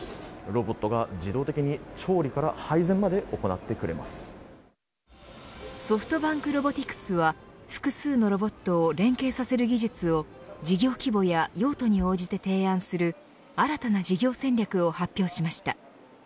ロボットが自動的に調理からソフトバンクロボティクスは複数のロボットを連携させる技術を事業規模や用途に応じて提案する新たな事業戦略を発表しました。